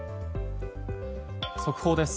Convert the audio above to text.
速報です。